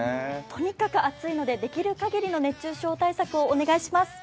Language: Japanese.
とにかく暑いので、できる限りの熱中症対策をお願いします。